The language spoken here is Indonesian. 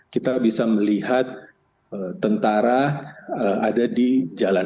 kita bisa melihat tentara ada di jalan